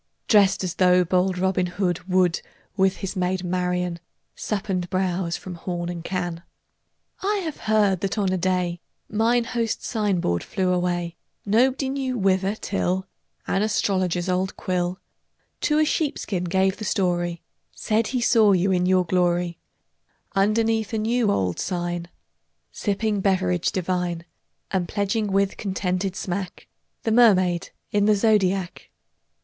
Drest as though bold Robin Hood 10 Would, with his maid Marian, Sup and bowse from horn and can. I have heard that on a day Mine host's sign board flew away, Nobody knew whither, till An astrologer's old quill To a sheepskin gave the story, Said he saw you in your glory, Underneath a new old sign Sipping beverage divine, 20 And pledging with contented smack The Mermaid in the Zodiac.